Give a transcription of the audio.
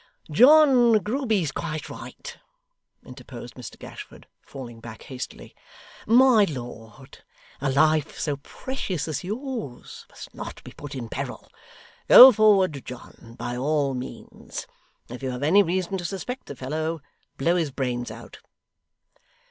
'John Grueby is quite right,' interposed Mr Gashford, falling back hastily. 'My lord, a life so precious as yours must not be put in peril. Go forward, John, by all means. If you have any reason to suspect the fellow, blow his brains out.